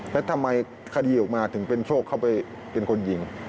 แล้วทำไมคดีออกมาถึงเป็นโชคเข้าไปเป็นคนยิง